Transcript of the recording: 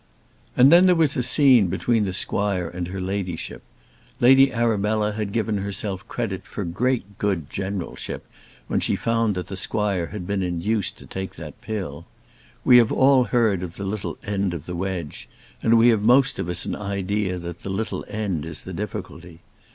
And then there was a scene between the squire and her ladyship. Lady Arabella had given herself credit for great good generalship when she found that the squire had been induced to take that pill. We have all heard of the little end of the wedge, and we have most of us an idea that the little end is the difficulty.